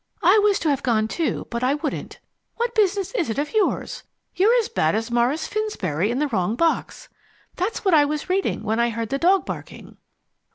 I was to have gone, too, but I wouldn't. What business is it of yours? You're as bad as Morris Finsbury in The Wrong Box. That's what I was reading when I heard the dog barking."